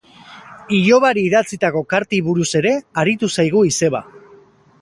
Ilobari idatzitako kartei buruz ere aritu zaigu izeba.